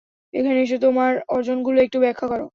এখানে এসে তোমার অর্জনগুলো একটু ব্যাখ্যা করো।